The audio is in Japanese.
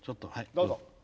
どうぞ。